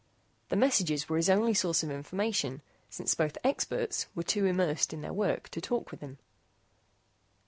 The messages were his only source of information, since both "experts" were too immersed in their work to talk with him.